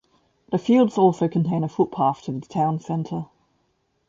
The Fields also contain a footpath to the town centre.